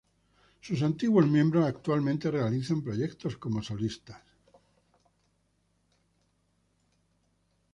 Sus antiguos miembros actualmente realizan proyectos como solistas.